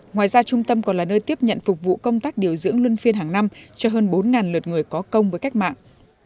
ngoài ra trung tâm còn là nơi tiếp nhận phục vụ công tác điều dưỡng lương phiên hàng năm cho hơn bốn lượt người có công với cách mạng